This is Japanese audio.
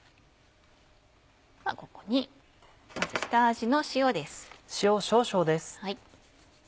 ここにまず下味の塩です。